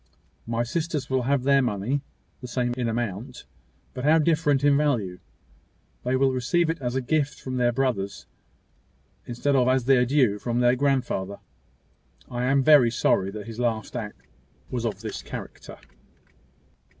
My sisters will have their money the same in amount, but how different in value! They will receive it as a gift from their brothers, instead of as their due from their grandfather. I am very sorry his last act was of this character."